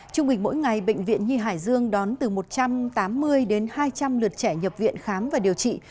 trung bình mỗi ngày bệnh viện nhi hải dương đón từ một trăm tám mươi đến hai trăm linh lượt trẻ nhập viện khám và điều trị